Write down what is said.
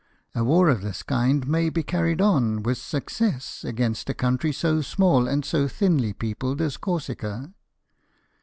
A war of this kind may be carried on with success against a country so small and so thinly peopled as Corsica.